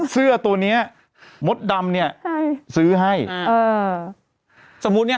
เสื้อตัวนี้โหมดดำนี่ซื้อให้เอิ่น